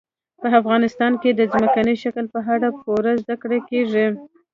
په افغانستان کې د ځمکني شکل په اړه پوره زده کړه کېږي.